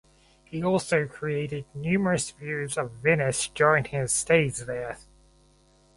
He also created numerous views of Venice during his stays there.